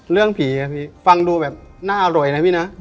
เรื่องผีอะพี่ฟังดูแบบน่าอร่อยนะพี่นะ